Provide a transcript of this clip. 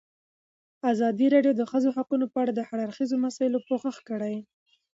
ازادي راډیو د د ښځو حقونه په اړه د هر اړخیزو مسایلو پوښښ کړی.